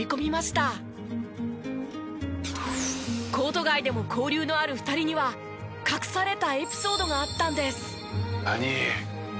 コート外でも交流のある２人には隠されたエピソードがあったんです。